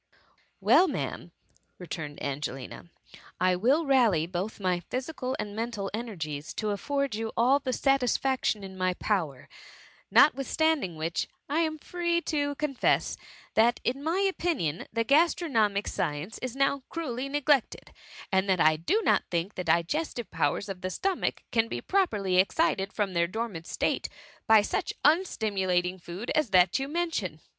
Well, Ma'am," returned Angelina, I will rally both my physical and mental ener gies to afford you all the satisfaction in my power; notwithstanding which, I am free to confess, that, in my opinion, the gastronomic science is now cruelly neglected, and that I do not think the digestive powers of the sto* mach can be properly excited from their dor mant state by such unstimulating food as that you mention.